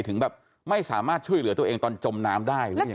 ถึงแบบไม่สามารถช่วยเหลือตัวเองตอนจมน้ำได้หรือยัง